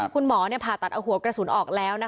คุณหมอเนี่ยหกกระสุนภาษาสนาตัดออกแล้ว